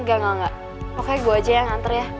enggak enggak pokoknya gue aja yang nganter ya